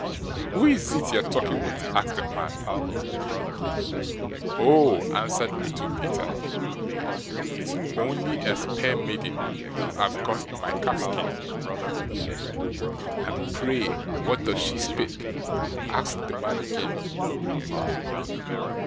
"Who is it you're talking with?" asked the man. "Oh!" answered Little Peter, "it's only a spae maiden whom I've got in my calfskin." "And pray what does she spae?" asked the man again.